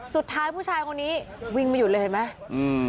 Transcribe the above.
สุดท้ายผู้ชายคนนี้วิ่งมาหยุดเลยเห็นไหมอืม